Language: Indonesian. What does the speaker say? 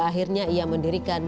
sini saya baru mau datang